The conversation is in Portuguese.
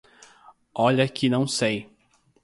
Olha que não sei.